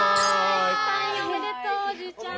退院おめでとうおじいちゃん。